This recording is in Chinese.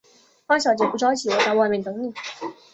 方小姐，不着急，我在外面等妳。